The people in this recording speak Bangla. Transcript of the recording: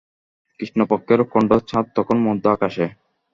কৃষ্ণপক্ষের খণ্ড চাঁদ তখন মধ্য-আকাশে।